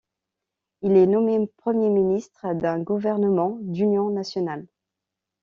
Il est nommé Premier ministre d'un gouvernement d'union nationale.